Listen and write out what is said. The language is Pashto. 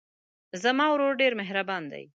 زما ورور ډېر مهربان دی.